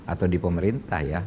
atau di pemerintah ya